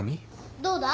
どうだ？